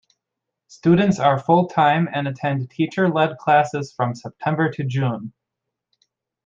Students are full-time and attend teacher-led classes from September to June.